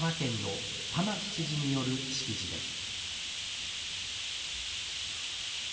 沖縄県の玉城知事による式辞です。